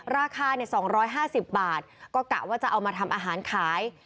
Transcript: ราคา๒๕๐บาทก็กะว่าจะเอามาทำอาหารขาย